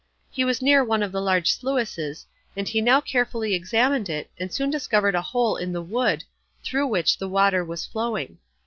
He was near one of the large sluices, and he now carefully examined it, and soon discovered a hole in the wood, through which the water was flowing.